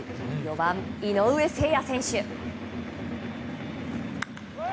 ４番、井上晴哉選手。